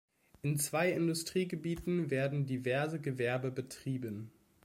In zwei Industriegebieten werden diverse Gewerbe betrieben.